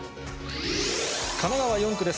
神奈川４区です。